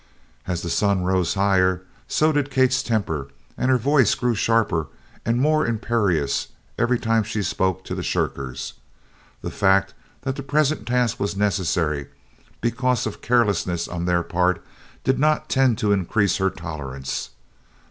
As the sun rose higher, so did Kate's temper, and her voice grew sharper and more imperious each time she spoke to the shirkers. The fact that the present task was necessary, because of carelessness on their part, did not tend to increase her tolerance.